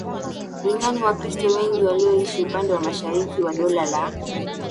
duniani Wakristo wengi walioishi upande wa mashariki wa Dola la